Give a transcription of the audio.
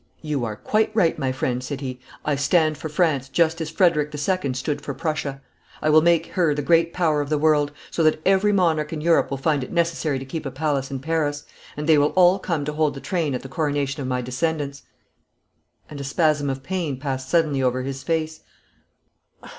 'You are quite right, my friend,' said he. 'I stand for France just as Frederic the Second stood for Prussia. I will make her the great Power of the world, so that every monarch in Europe will find it necessary to keep a palace in Paris, and they will all come to hold the train at the coronation of my descendants ' a spasm of pain passed suddenly over his face.